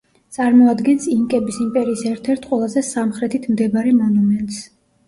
წარმოადგენს ინკების იმპერიის ერთ-ერთ ყველაზე სამხრეთით მდებარე მონუმენტს.